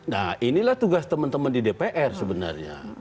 nah inilah tugas teman teman di dpr sebenarnya